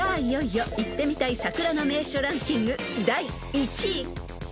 いよいよ行ってみたい桜の名所ランキング第１位］